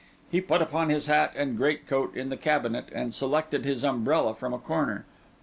He put on his hat and greatcoat in the cabinet, and selected his umbrella from a corner.